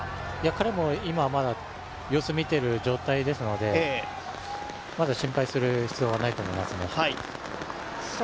彼も今、まだ様子を見ている状態ですので、まだ心配する必要はないと思いますね。